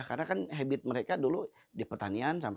karena kan habit mereka dulu di petanian